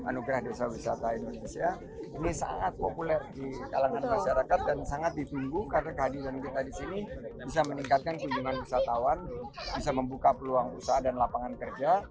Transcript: anugerah desa wisata indonesia ini sangat populer di kalangan masyarakat dan sangat ditunggu karena kehadiran kita di sini bisa meningkatkan kunjungan wisatawan bisa membuka peluang usaha dan lapangan kerja